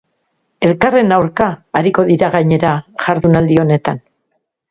Elkarren aurka ariko dira gainera jardunaldi honetan.